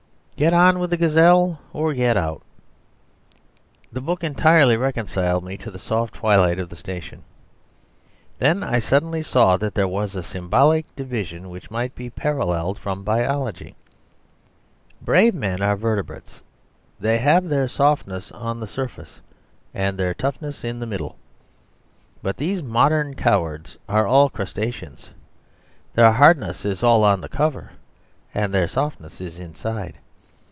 Get on with a gazelle or get out. The book entirely reconciled me to the soft twilight of the station. Then I suddenly saw that there was a symbolic division which might be paralleled from biology. Brave men are vertebrates; they have their softness on the surface and their toughness in the middle. But these modern cowards are all crustaceans; their hardness is all on the cover and their softness is inside.